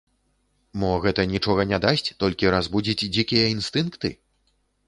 Мо гэта нічога не дасць, толькі разбудзіць дзікія інстынкты?